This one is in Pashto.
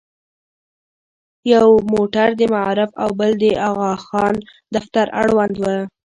یو موټر د معارف او بل د اغاخان دفتر اړوند و.